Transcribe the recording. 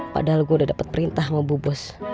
padahal gue udah dapet perintah sama bubus